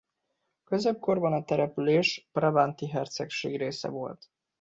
A középkorban a település a Brabanti Hercegség része volt.